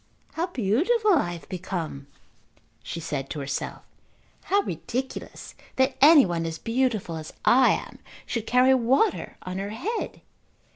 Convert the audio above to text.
"How beautiful I have become," she said to herself. "How ridiculous that any one as beautiful as I am should carry water on her head."